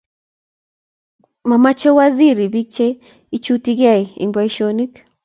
mameche waziri biik che ichutigei eng' boisionik